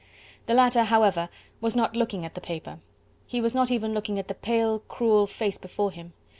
The latter, however, was not looking at the paper, he was not even looking at the pale, cruel face before him.